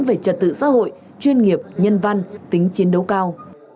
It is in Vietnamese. về trật tự xã hội chuyên nghiệp nhân văn tính chiến đấu cao